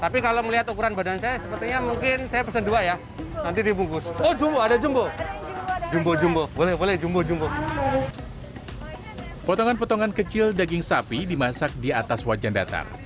potongan potongan kecil daging sapi dimasak di atas wajan datar